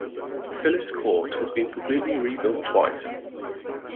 Phyllis Court has been completely rebuilt twice.